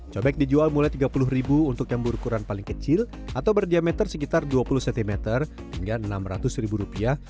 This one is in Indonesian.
cobek dijual mulai tiga puluh ribu untuk yang berukuran paling kecil atau berdiameter sekitar dua puluh cm hingga enam ratus ribu rupiah